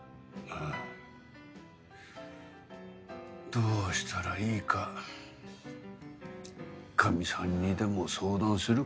どうしたらいいかカミさんにでも相談するかね。